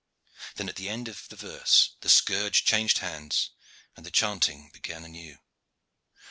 Then at the end of the verse the scourge changed hands and the chanting began anew.